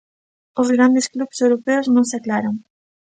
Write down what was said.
Os grandes clubs europeos non se aclaran.